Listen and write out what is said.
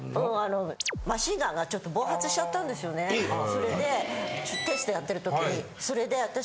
それでテストやってる時にそれで私